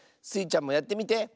スイちゃんもやってみて。